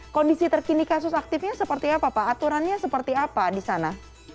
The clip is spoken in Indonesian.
kondisi terkini kasus aktifnya seperti apa pak aturannya seperti apa di sana